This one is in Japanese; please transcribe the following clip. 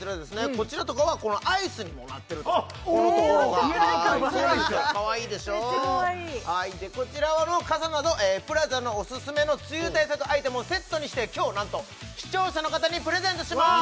こちらとかはアイスにもなってるとこのところがかわいいでしょめっちゃかわいいこちらの傘などＰＬＡＺＡのオススメの梅雨対策アイテムをセットにして今日なんと視聴者の方にプレゼントします